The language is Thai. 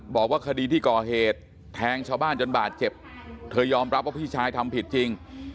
บอกว่าคดีที่ก่อเหตุแทงชาวบ้านจนบาดเจ็บเธอยอมรับว่าพี่ชายทำผิดจริง